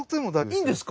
いいんですか？